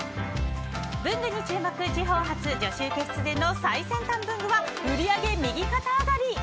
文具に注目地方発女子受け必然の最先端文具は売り上げ右肩上がり。